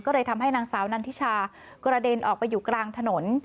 ก็เลยทำให้นางสาวนันทิชากระเด็นออกไปอยู่กลางถนน